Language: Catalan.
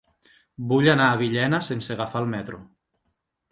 Vull anar a Villena sense agafar el metro.